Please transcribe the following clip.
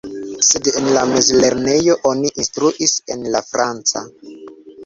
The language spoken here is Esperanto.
Sed en la mezlernejo oni instruis en la franca.